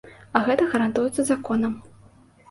А гэта гарантуецца законам.